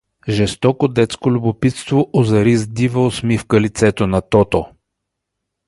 Жестоко детско любопитство озари с дива усмивка лицето на Тото.